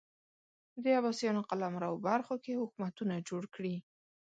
د عباسیانو قلمرو برخو کې حکومتونه جوړ کړي